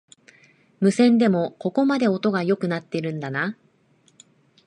無線でもここまで音が良くなってんだな